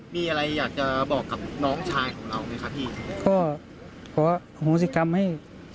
มีอะไรอยากจะบอกกับน้องชายของเราไหมครับพี่ก็ขอโหสิกรรมให้